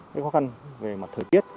cái khó khăn về mặt thời tiết